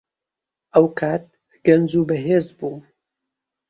ئەو کات گەنج و بەهێز بووم.